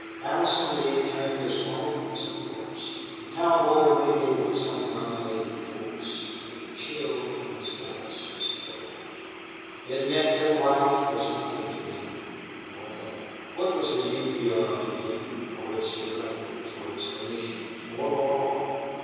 Allison Lee turned as white as a corpse. The cowboy radiated some dominating force, but the chill in his voice was terrible. It meant that life was nothing to him nor death. What was the U. P. R. to him, or its directors, or its commissioners, or the law?